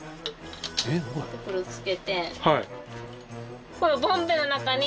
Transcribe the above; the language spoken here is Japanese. これをつけて。